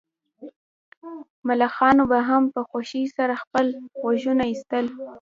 ملخانو به هم په خوښۍ سره خپل غږونه ایستل